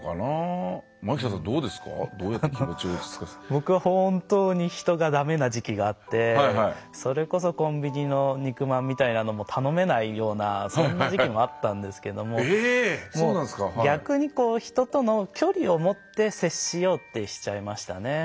僕は本当に人がだめな時期があってそれこそコンビニの肉まんみたいなものも頼めないようなそんな時期もあったんですけども逆に、人との距離をもって接しようってしちゃいましたね。